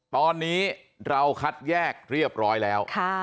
ตอนนี้เราคัดแยกเรียบร้อยแล้ว